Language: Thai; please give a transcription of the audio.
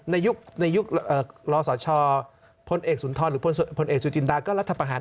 ในยุคในยุคลสชพลเอกสุนทรหรือพลเอกสุจินดาก็รัฐประหาร